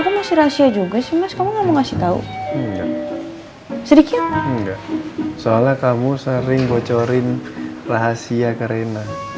sih masih rahasia juga sih mas kamu ngasih tahu sedikit soalnya kamu sering bocorin rahasia karena